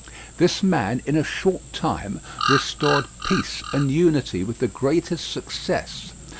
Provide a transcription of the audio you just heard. This man in a short time restored peace and unity with the greatest success.